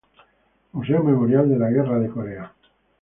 Museo Memorial de la Guerra de Corea.